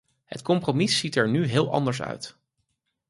Het compromis ziet er nu heel anders uit.